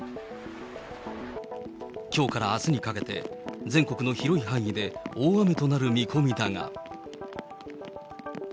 きょうからあすにかけて、全国の広い範囲で大雨となる見込みだが。